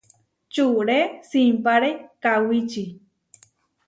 Čuré simpáre kawíči.